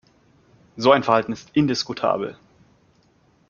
So ein Verhalten ist indiskutabel.